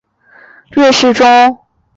作为欧洲自由贸易联盟成员国的瑞士中。